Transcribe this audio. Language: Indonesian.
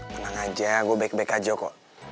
tenang aja gue baik baik aja kok